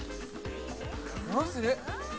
どうする？